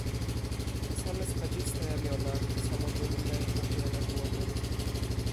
"Te same spadziste ramiona, to samo dumne pochylenie głowy."